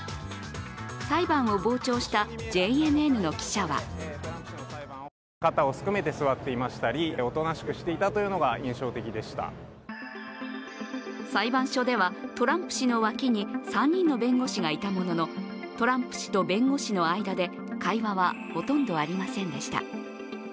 裁判を傍聴したＪＮＮの記者は裁判所では、トランプ氏の脇に３人の弁護士がいたもののトランプ氏と弁護士の間で会話はほとんどありませんでした。